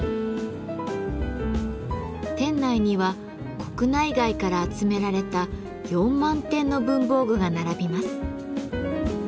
店内には国内外から集められた４万点の文房具が並びます。